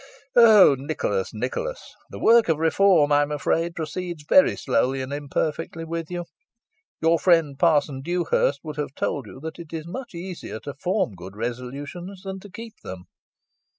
Oh! Nicholas Nicholas the work of reform, I am afraid, proceeds very slowly and imperfectly with you. Your friend, Parson. Dewhurst, would have told you that it is much easier to form good resolutions than to keep them.